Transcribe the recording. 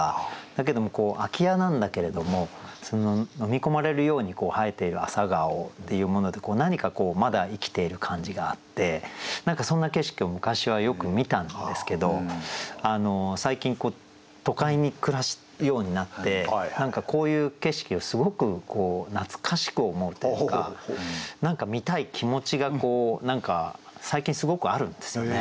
だけども空家なんだけれども呑みこまれるように生えている朝顔っていうもので何かまだ生きている感じがあって何かそんな景色を昔はよく見たんですけど最近都会に暮らすようになって何かこういう景色をすごく懐かしく思うというか何か見たい気持ちが最近すごくあるんですよね。